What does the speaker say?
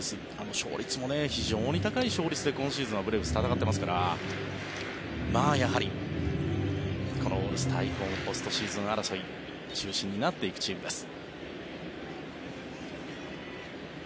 勝率も非常に高い勝率で今シーズンはブレーブス、戦っていますからやはり、このオールスター以降のポストシーズン争いの中心になっていくチームです。